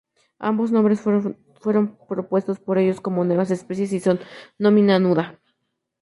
Ambos nombres no fueron propuestos por ellos como nuevas especies y son "nomina nuda".